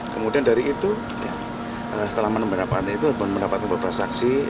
kemudian dari itu setelah menemukan itu mendapatkan beberapa saksi